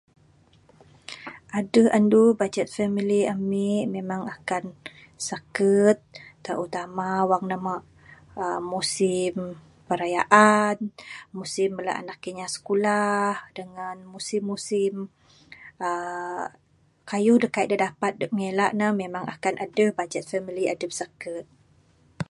Adeh andu bajet family ami memang magan. Saket terutama wang meh uhh musim perayaan musim bala anak inya sikulah dangan musim musim uhh kayuh da kaik dapat dep ngelak ne memang akan adeh bajet family dep saket.